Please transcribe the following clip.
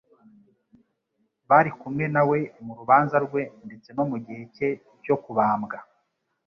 bari kumwe na we mu rubanza rwe ndetse no mu gihe cye cyo kubambwa